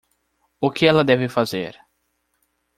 O que ela deve fazer?